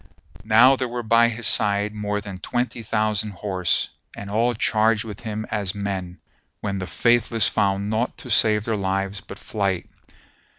Now there were by his side more than twenty thousand horse, and all charged with him as men, when the Faithless found naught to save their lives but flight.